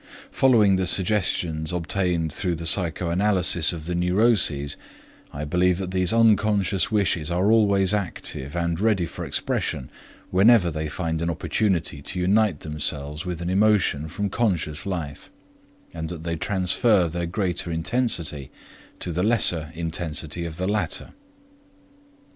Following the suggestions obtained through the psychoanalysis of the neuroses, I believe that these unconscious wishes are always active and ready for expression whenever they find an opportunity to unite themselves with an emotion from conscious life, and that they transfer their greater intensity to the lesser intensity of the latter.